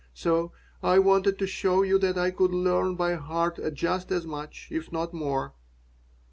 So I wanted to show you that I could learn by heart just as much, if not more."